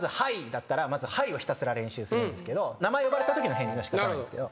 だったらまず「はい」をひたすら練習するんですけど名前呼ばれたときの返事のしかたなんですけど。